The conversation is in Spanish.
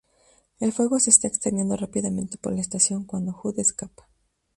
El fuego se está extendiendo rápidamente por la estación cuando Hood escapa.